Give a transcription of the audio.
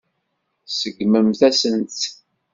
Tseggmemt-asent-tt.